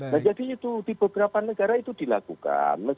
nah jadi itu di beberapa negara itu dilakukan